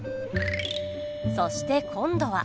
そして今度は。